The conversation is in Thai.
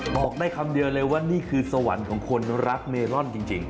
บอกได้คำเดียวเลยว่านี่คือสวรรค์ของคนรักเมลอนจริง